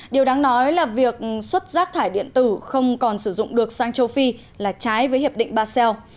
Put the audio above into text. điều đáng nói là việc xuất rác thải điện tử không còn sử dụng được sang châu phi là trái với hiệp định ba sao